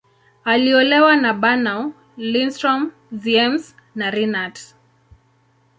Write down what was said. Aliolewa na Bernow, Lindström, Ziems, na Renat.